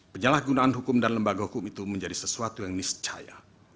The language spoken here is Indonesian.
penyalahgunaan hukum dan lembaga hukum itu menjadi sesuatu yang niscaya